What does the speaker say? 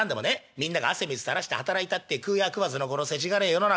みんなが汗水たらして働いたって食うや食わずのこのせちがれえ世の中。